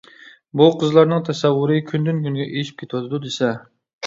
بۇ قىزلارنىڭ تەسەۋۋۇرى كۈندىن-كۈنگە ئېشىپ كېتىۋاتىدۇ دېسە.